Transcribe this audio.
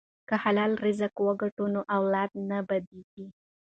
که حلال رزق وګټو نو اولاد نه بد کیږي.